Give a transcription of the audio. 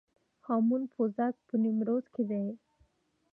هامون پوزک په نیمروز کې دی